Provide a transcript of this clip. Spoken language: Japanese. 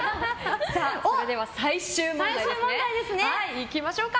それでは最終問題にいきましょうか。